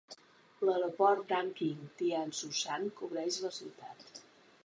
L'aeroport d'Anqing Tianzhushan cobreix la ciutat.